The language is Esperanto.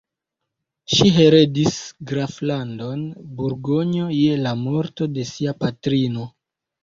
Ŝi heredis la graflandon Burgonjo je la morto de sia patrino.